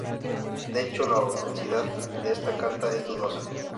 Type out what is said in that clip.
De hecho, la autenticidad de esta carta es dudosa.